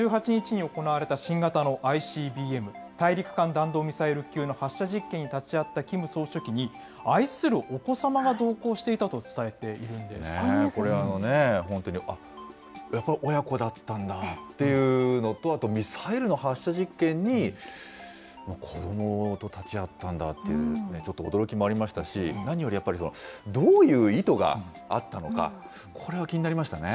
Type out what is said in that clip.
今月１８日に行われた新型のＩＣＢＭ・大陸間弾道ミサイル級の発射実験に立ち会ったキム総書記に、愛するお子様が同行していたと伝これ、本当に、やっぱり親子だったんだっていうのと、あとミサイルの発射実験に子どもと立ち会ったんだっていう、ちょっと驚きもありましたし、何よりやっぱり、どういう意図があったのか、これは気になりましたね。